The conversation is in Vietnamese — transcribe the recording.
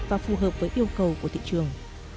và phù hợp với yêu cầu của thị trường